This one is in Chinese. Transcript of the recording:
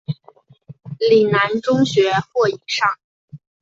岭南中学或以上。